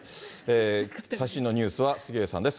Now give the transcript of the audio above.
最新のニュースは杉上さんです。